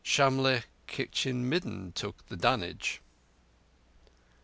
Shamlegh kitchen midden took the dunnage.